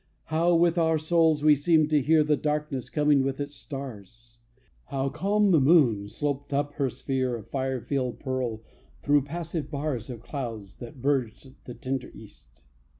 How, with our souls, we seemed to hear The darkness coming with its stars! How calm the moon sloped up her sphere Of fire filled pearl through passive bars Of clouds that berged the tender east!